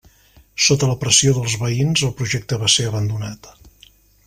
Sota la pressió dels veïns, el projecte va ser abandonat.